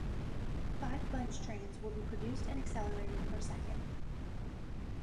Five bunch trains will be produced and accelerated per second.